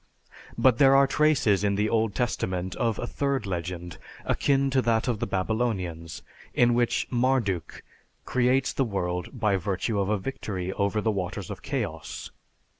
But there are traces in the Old Testament of a third legend, akin to that of the Babylonians, in which Marduk creates the world by virtue of a victory over the waters of chaos (Tiamat).